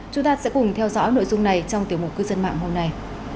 chúng ta sẽ cùng theo dõi nội dung này trong tiểu mục cư dân mạng hôm nay